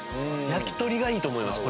焼き鳥がいいと思います。